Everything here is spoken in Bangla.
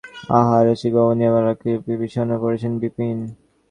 আচ্ছা, রসিকবাবু, নৃপবালা বুঝি খুব বিষণ্ন হয়ে পড়েছেন– বিপিন।